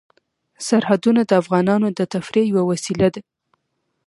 سرحدونه د افغانانو د تفریح یوه وسیله ده.